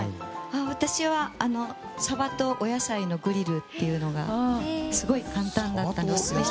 私は、サバとお野菜のグリルがすごい簡単だったので。